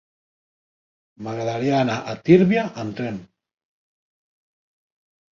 M'agradaria anar a Tírvia amb tren.